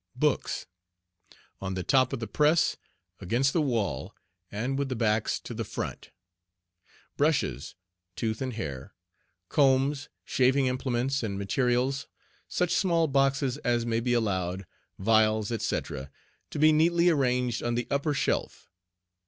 Books On the top of the Press, against the wall, and with the backs to the front. BRUSHES (tooth and hair), COMBS, SHAVING IMPLEMENTS and MATERIALS, such small boxes as may be allowed, vials, etc., to be neatly arranged on the upper shelf.